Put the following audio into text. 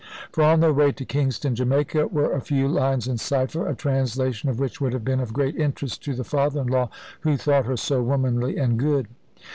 For, on their way to Kingston, Jamaica, were a few lines in cypher, a translation of which would have been of great interest to the father in law, who thought her so womanly and good.